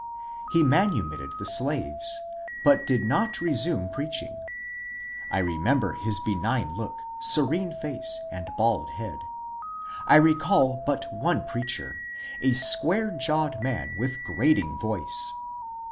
He manumitted the slaves, but did not resume 44 MONCURE DANIEL CX)NWAY preaching. I remember his benign look, serene face, and bald head. I recall but one preacher, — a square jawed man with grating voice.